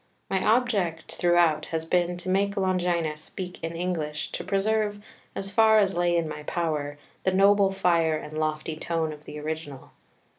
My object throughout has been to make Longinus speak in English, to preserve, as far as lay in my power, the noble fire and lofty tone of the original.